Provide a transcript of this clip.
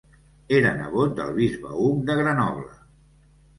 Era nebot del bisbe Hug de Grenoble.